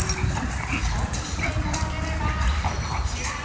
承知していただければこちらを。